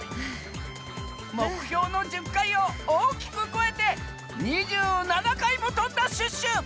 もくひょうの１０かいをおおきくこえて２７かいもとんだシュッシュ！